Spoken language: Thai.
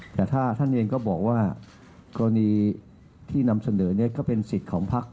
แต่ถ้าท่านเองก็บอกว่ากรณีที่นำเสนอนี้ก็เป็นสิทธิ์ของพัก